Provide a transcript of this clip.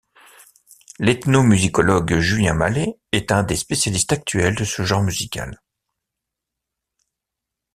L'ethnomusicologue Julien Mallet est un des spécialistes actuels de ce genre musical.